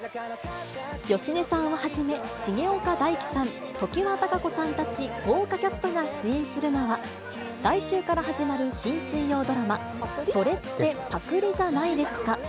芳根さんをはじめ、重岡大毅さん、常盤貴子さんたち、豪華キャストが出演するのは、来週から始まる新水曜ドラマ、それってパクリじゃないですか？